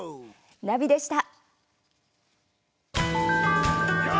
ナビでした。